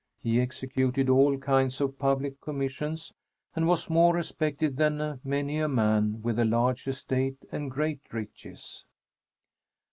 He executed all kinds of public commissions and was more respected than many a man with a large estate and great riches.